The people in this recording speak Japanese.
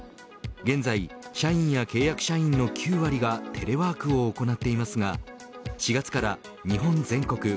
現在、社員や契約社員の９割がテレワークを行っていますが４月から日本全国